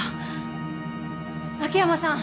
秋山さん。